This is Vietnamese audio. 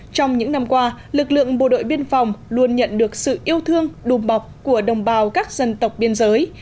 trong những năm qua lực lượng bộ đội biên phòng luôn nhận được sự yêu thương đùm bọc của đồng bào các dân tộc biên giới